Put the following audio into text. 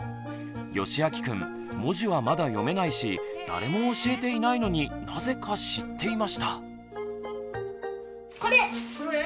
よしあきくん文字はまだ読めないし誰も教えていないのになぜか知っていました。